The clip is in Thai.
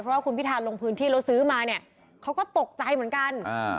เพราะว่าคุณพิธาลงพื้นที่แล้วซื้อมาเนี่ยเขาก็ตกใจเหมือนกัน